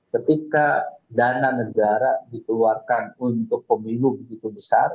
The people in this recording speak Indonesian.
ketika dana negara dikeluarkan untuk pemilu begitu besar